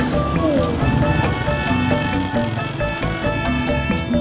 belum nggak ada